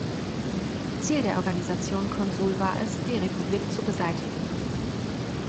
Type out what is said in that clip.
Ziel der Organisation Consul war es, die Republik zu beseitigen.